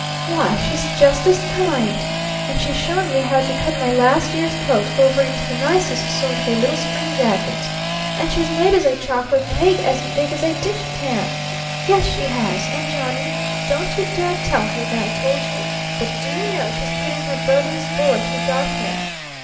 Why, she's just as kind! And she's shown me how to cut my last year's coat over into the nicest sort of a little spring jacket! And she's made us a chocolate cake as big as a dish pan. Yes, she has! And Johnny, don't you dare tell her that I told you but do you know she's putting her brother's boy through Dartmouth?